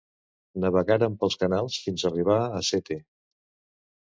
Navegarem per canals fins arribar a Sète